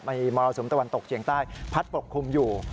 มีมรสุมตะวันตกเฉียงใต้พัดปกคลุมอยู่